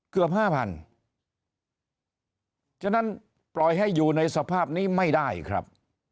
เกือบห้าพันฉะนั้นปล่อยให้อยู่ในสภาพนี้ไม่ได้ครับ